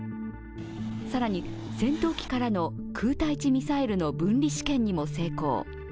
更に戦闘機からの空対地ミサイルの分離試験にも成功。